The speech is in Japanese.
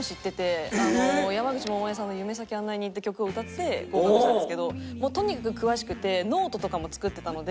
山口百恵さんの『夢先案内人』って曲を歌って合格したんですけどもうとにかく詳しくてノートとかも作ってたので。